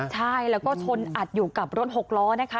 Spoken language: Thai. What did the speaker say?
ใช่แล้วก็ชนอัดอยู่กับรถหกล้อนะคะ